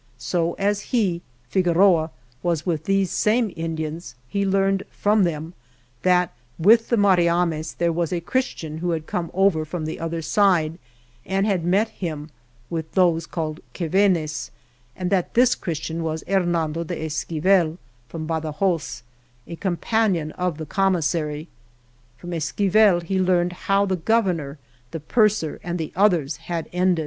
So, as he (Figueroa) was with these same Indians he learned (from them) that with the Mariames there was a Christian who had come over from the other side and had met him 27 with those called Guevenes; and that this Christian was Hernando de Esquivel, from Badajoz, a companion of the commis sary. From Esquivel he learned how the Governor, the purser and the others had ended.